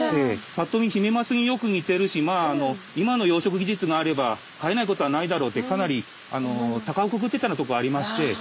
ぱっと見ヒメマスによく似てるし今の養殖技術があれば飼えないことはないだろうってかなりたかをくくってたようなところありまして。